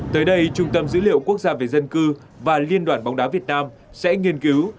tới đây trung tâm dữ liệu quốc gia về dân cư và liên đoàn bóng đá việt nam sẽ nghiên cứu